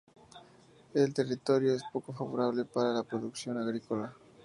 El territorio es poco favorable para la producción agrícola.